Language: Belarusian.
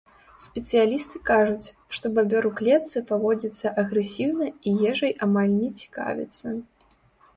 Спецыялісты кажуць, што бабёр у клетцы паводзіцца агрэсіўна і ежай амаль не цікавіцца.